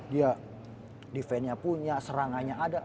dia defense nya punya serangannya ada